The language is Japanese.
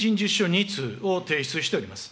２通を提出しております。